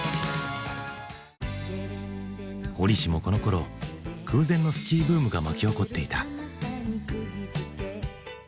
折しもこのころ空前のスキーブームが巻き起こっていた。